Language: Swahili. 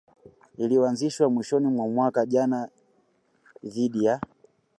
iliyoanzishwa mwishoni mwa mwaka jana dhidi ya